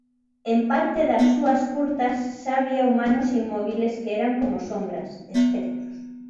En parte das súas curtas xa había humanos inmóbiles que eran como sombras, espectros.